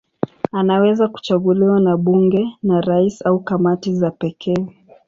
Anaweza kuchaguliwa na bunge, na rais au kamati za pekee.